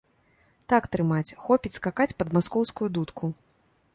Так трымаць, хопіць скакаць пад маскоўскую дудку!